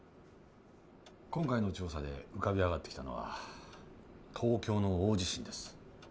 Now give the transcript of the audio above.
今回の調査で浮かび上がってきたのは東京の大地震です。